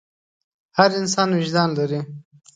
هر انسان وجدان لري.